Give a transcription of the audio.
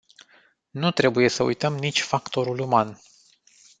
Nu trebuie să uităm nici factorul uman.